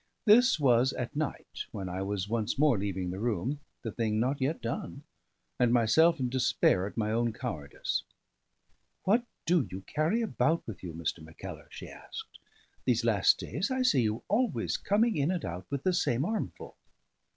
This was at night, when I was once more leaving the room, the thing not yet done, and myself in despair at my own cowardice. "What do you carry about with you, Mr. Mackellar?" she asked. "These last days, I see you always coming in and out with the same armful."